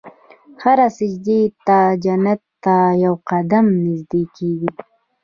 هر سجدې ته جنت ته یو قدم نژدې کېږي.